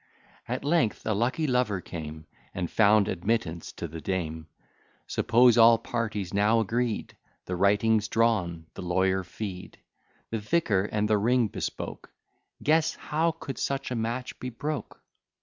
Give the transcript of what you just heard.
At length a lucky lover came, And found admittance to the dame, Suppose all parties now agreed, The writings drawn, the lawyer feed, The vicar and the ring bespoke: Guess, how could such a match be broke?